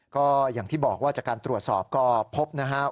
ก็อย่างที่บอกว่าจากการตรวจสอบก็พบนะครับ